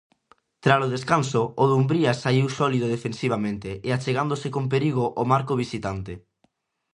Tralo descanso, o Dumbría saíu sólido defensivamente, e achegándose con perigo ó Marco visitante.